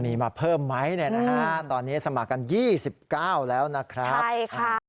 จะมีมาเพิ่มไหมเนี้ยนะคะตอนนี้สมัครกันยี่สิบเก้าแล้วนะครับใช่ค่ะ